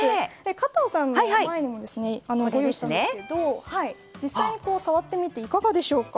加藤さんの前にもご用意したんですが実際に触ってみていかがでしょうか？